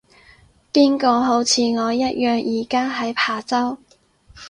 邊個好似我一樣而家喺琶洲